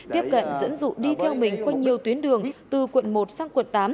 tiếp cận dẫn dụ đi theo mình qua nhiều tuyến đường từ quận một sang quận tám